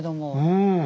うん。